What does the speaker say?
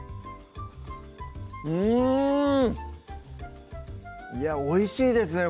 うんいやおいしいですね